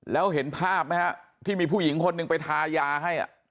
แล้วเห็นภาพไหมฮะที่มีผู้หญิงคนหนึ่งไปทายาให้